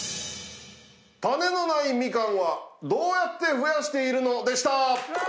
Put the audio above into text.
種のないみかんはどうやって増やしているの？でした。